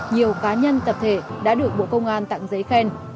nhiều cá nhân tập thể đã được bộ công an tặng giấy khen